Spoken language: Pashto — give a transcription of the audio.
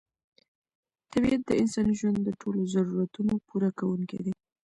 طبیعت د انساني ژوند د ټولو ضرورتونو پوره کوونکی دی.